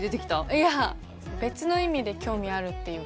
いや別の意味で興味あるっていうか。